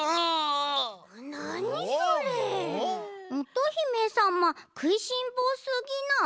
乙姫さまくいしんぼうすぎない？